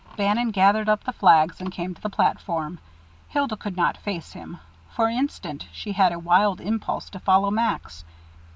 Bannon gathered up the flags and came to the platform. Hilda could not face him. For an instant she had a wild impulse to follow Max.